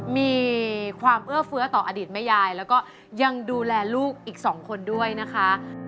มีความเอื้อเฟื้อต่ออดีตแม่ยายแล้วก็ยังดูแลลูกอีก๒คนด้วยนะคะ